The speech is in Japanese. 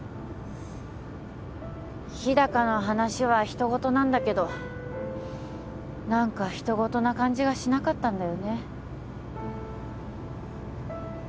日高の話は人ごとなんだけど何か人ごとな感じがしなかったんだよね